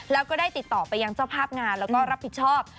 แล้วก็ได้ติดต่อไปยังเจ้าภาพงานแล้วก็รับผิดชอบ